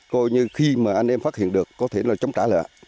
coi như khi mà anh em phát hiện được có thể là chống trả lại